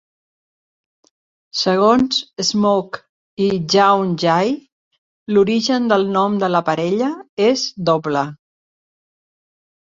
Segons Smoke i Shawn Jay, l'origen del nom de la parella és doble.